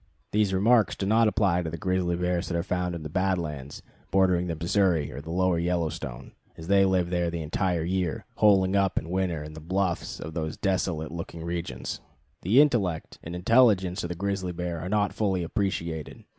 These remarks do not apply to grizzly bears that are found in the Bad Lands bordering the Missouri or the Lower Yellowstone, as they live there the entire year, "holing up" in winter in the bluffs of those desolate looking regions. The intellect and intelligence of the grizzly bear are not fully appreciated.